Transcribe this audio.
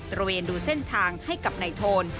ระเวนดูเส้นทางให้กับนายโทน